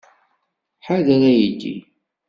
Ḥader aydi!